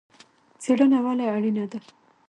څیړنه ولې اړینه ده؟